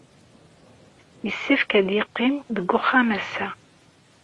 Yessefk ad yeqqim deg wexxam ass-a?